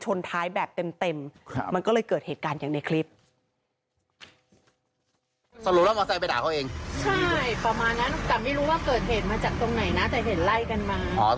ท้ายแบบเต็มมันก็เลยเกิดเหตุการณ์อย่างในคลิป